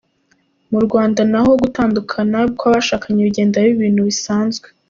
Mu Rwanda na ho gutandukana kw’abashakanye bigenda biba ibintu bisanzwe.